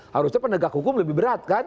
harusnya penegak hukum lebih berat kan